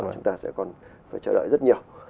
chúng ta sẽ còn phải chờ đợi rất nhiều